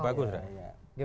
ya bagus ya